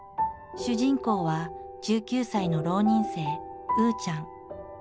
主人公は１９歳の浪人生うーちゃん。